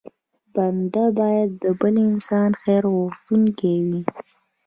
بنده بايد د بل انسان خیر غوښتونکی وي.